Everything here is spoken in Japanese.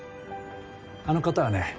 あの方はね